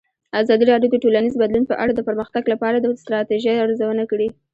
ازادي راډیو د ټولنیز بدلون په اړه د پرمختګ لپاره د ستراتیژۍ ارزونه کړې.